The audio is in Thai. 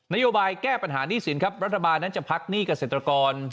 โยบายแก้ปัญหาหนี้สินครับรัฐบาลนั้นจะพักหนี้เกษตรกร